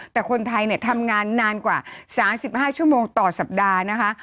แต่คนไทยทำงานนานกว่า๓๕ชั่วโมงต่อสัปดาห์นะคะ